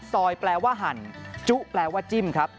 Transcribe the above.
แปลว่าหั่นจุแปลว่าจิ้มครับ